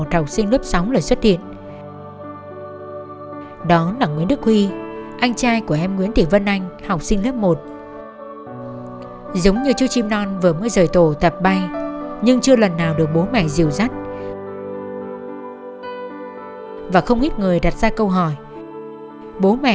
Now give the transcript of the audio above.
hai cháu nguyễn đức huy và nguyễn thị vân anh đã từng có một tổ ấm hạnh phúc trong vòng tay bố mẹ